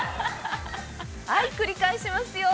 ◆はい、繰り返しますよ。